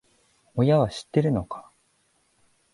親は知ってるのか？